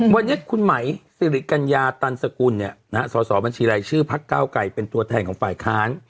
วันนี้คุณหมายศิริกัญญาตันสกุลเนี่ยนะฮะสบชิรัยชื่อพักเก้าไก่เป็นตัวแทนของฝ่ายค้าน